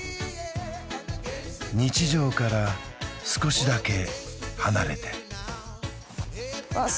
日常から少しだけ離れてわっ